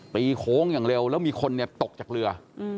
โค้งอย่างเร็วแล้วมีคนเนี่ยตกจากเรือ